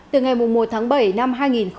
từ ngày một tháng bảy năm hai nghìn hai mươi